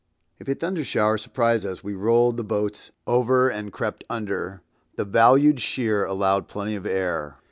If a thunder shower surprised us, we rolled the boats over and crept under, the valued shear allowed plenty of air.